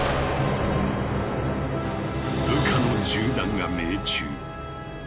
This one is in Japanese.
部下の銃弾が命中。